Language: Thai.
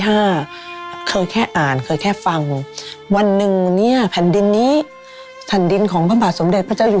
ภาคงั้นอะแหลงก็แค่ฟังวันนึงเนี่ยแผ่นดินนี้ภาษาดินของคุมภาคสมเดชรพระเจ้าหญว